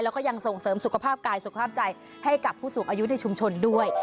แล้วก็ยังส่งเสริมสุขภาพกายสุขภาพใจให้กับผู้สูงอายุในชุมชนด้วย